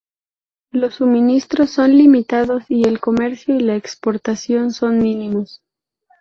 Los suministros son limitados y el comercio y la exportación son mínimos.